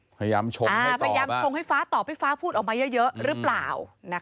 พยายามชงให้ฟ้าตอบพี่ฟ้าพูดออกมาเยอะหรือเปล่า